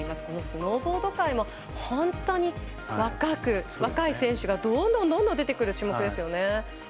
このスノーボード界も本当に若い選手がどんどんと出てくる種目ですよね。